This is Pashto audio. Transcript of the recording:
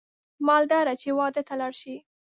مالداره چې واده ته لاړ شي